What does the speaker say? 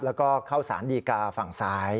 แล้วก็เข้าสารดีกาฝั่งซ้าย